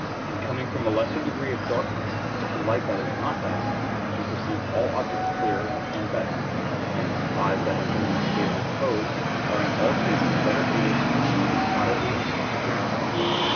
In coming from a lesser degree of darkness to light that is not dazzling, we perceive all objects clearer and better: hence eyes that have been in a state of repose are in all cases better able to perceive moderately distinct appearances.